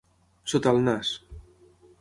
Sota el nas.